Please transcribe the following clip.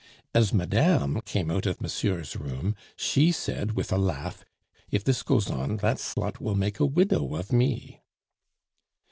As madame came out of monsieur's room, she said with a laugh: 'If this goes on, that slut will make a widow of me!